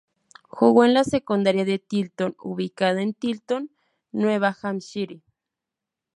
Jugó en la secundaria de Tilton ubicada en Tilton, Nueva Hampshire.